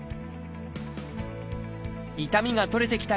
痛みが取れてきた